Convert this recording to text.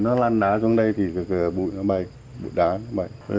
nó lăn đá xuống đây thì bụi nó bay